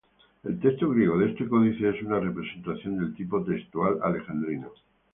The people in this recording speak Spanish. El texto griego de este códice es una representación del Tipo textual alejandrino.